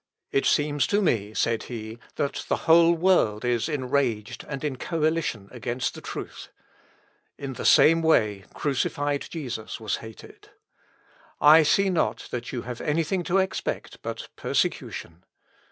"It seems to me," said he, "that the whole world is enraged, and in coalition against the truth. In the same way crucified Jesus was hated. I see not that you have anything to expect but persecution.